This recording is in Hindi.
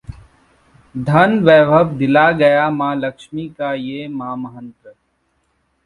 धन-वैभव दिलाएगा मां लक्ष्मी का ये महामंत्र